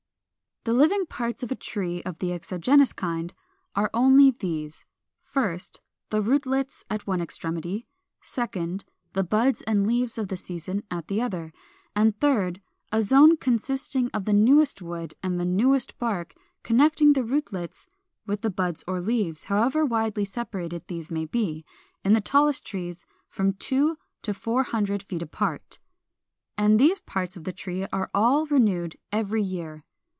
438. =The Living Parts of a Tree=, of the exogenous kind, are only these: first, the rootlets at one extremity; second, the buds and leaves of the season at the other; and third, a zone consisting of the newest wood and the newest bark, connecting the rootlets with the buds or leaves, however widely separated these may be, in the tallest trees from two to four hundred feet apart. And these parts of the tree are all renewed every year.